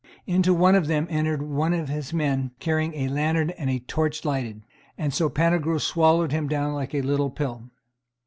Into one of them entered one of his men carrying a lantern and a torch lighted, and so Pantagruel swallowed him down like a little pill.